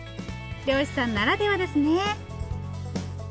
漁師さんならではですね。